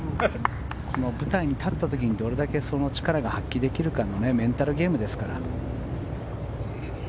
この舞台に立った時にどれだけ力を発揮できるかというメンタルゲームですから。